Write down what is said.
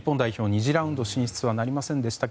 ２次ラウンド進出はなりませんでした